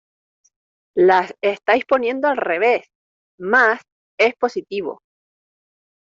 ¡ Las estáis poniendo al revés! Más es positivo.